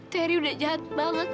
terry udah jahat banget